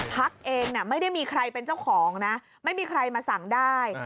พักเองไม่ได้มีใครเป็นเจ้าของนะไม่มีใครมาสั่งได้